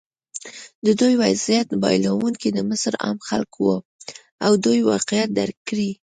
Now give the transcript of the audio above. د دې وضعیت بایلونکي د مصر عام خلک وو او دوی واقعیت درک کړی.